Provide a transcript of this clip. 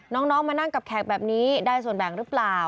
น้องมานั่งกับแขกแบบนี้ได้ส่วนแบ่งหรือเปล่า